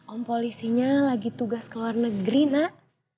om polisinya lagi tugas ke luar negeri nak